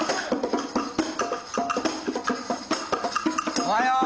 おはよう！